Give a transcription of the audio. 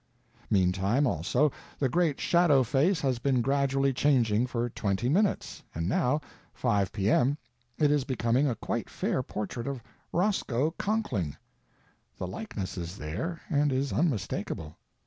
Meantime, also, the great Shadow Face has been gradually changing for twenty minutes, and now, 5 P.M., it is becoming a quite fair portrait of Roscoe Conkling. The likeness is there, and is unmistakable.